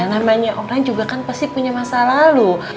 namanya orang juga kan pasti punya masa lalu